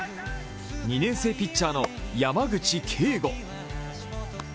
２年生ピッチャーの山口恵悟。